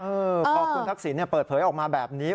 พอคุณทักษิณเปิดเผยออกมาแบบนี้